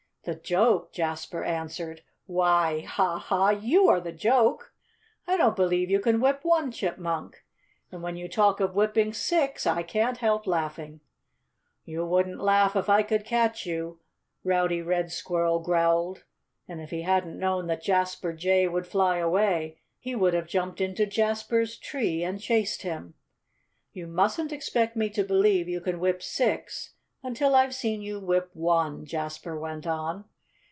"The joke?" Jasper answered. "Why ha! ha! you are the joke! I don't believe you can whip one chipmunk. And when you talk of whipping six, I can't help laughing." "You wouldn't laugh if I could catch you," Rowdy Red Squirrel growled. And if he hadn't known that Jasper Jay would fly away, he would have jumped into Jasper's tree and chased him. "You mustn't expect me to believe you can whip six until I've seen you whip one," Jasper went on.